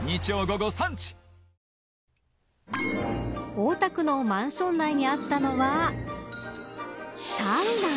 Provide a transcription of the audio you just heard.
大田区のマンション内にあったのはサウナ。